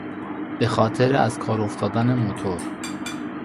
بخاطر از کار افتادن موتور